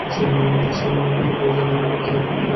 স্বয়ং আরবরাও জানে না কারা এই আইএস, কোত্থেকে তাদের উত্থান।